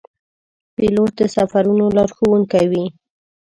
پیلوټ د سفرونو لارښوونکی وي.